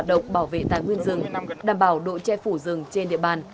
đồng bảo vệ tài nguyên rừng đảm bảo độ che phủ rừng trên địa bàn